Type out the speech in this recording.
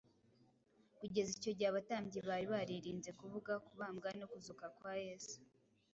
Kugeza icyo gihe abatambyi bari baririnze kuvuga ku kubambwa no kuzuka kwa Yesu.